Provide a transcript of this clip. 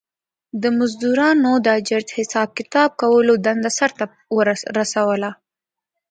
د مزدورانو د اجرت حساب کتاب کولو دنده سر ته رسوله